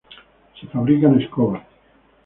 Se fabrican escobas.